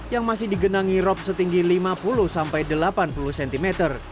yang masih digenangi rop setinggi lima puluh sampai delapan puluh cm